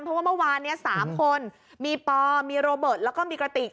เพราะว่าเมื่อวานนี้๓คนมีปอมีโรเบิร์ตแล้วก็มีกระติก